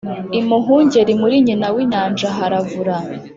imuhengeri muri nyina w’inyanja haravura.